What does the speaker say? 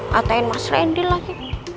katain mas randy lagi